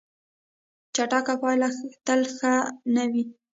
چټک پایله تل ښه نه وي.